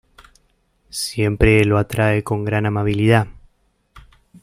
Siempre lo trata con gran amabilidad.